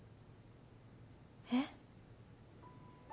えっ？